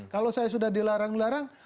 kalau saya sudah dilarang larang